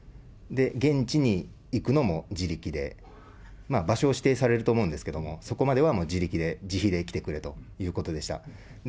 で、現地に行くのも自力で、場所を指定されると思うんですけど、そこまでは自力で、自費で来てくれということでした。